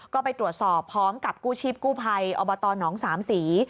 ก็ไปตรวจสอบพร้อมกับกู้ชีพกู้ภัยอบตหนองสามศรี